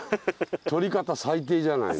とり方最低じゃないの。